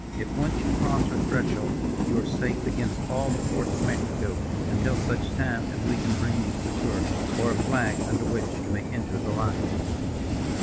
If once you cross her threshold, you are safe against all the force of Mexico, until such time as we can bring you succour, or a flag under which you may enter the lines."